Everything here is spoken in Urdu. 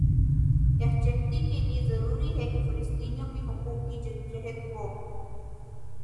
یکجہتی کےلئے ضروری ہے کہ فلسطینیوں کے حقوق کی جدوجہد کو